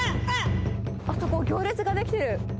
あそこ、行列が出来てる。